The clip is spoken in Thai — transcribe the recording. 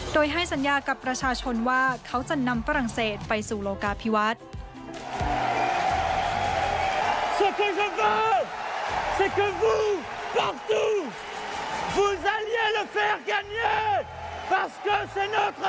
โดยให้สัญญากับประชาชนว่าเขาจะนำฝรั่งเศสไปสู่โลกาพิวัฒน์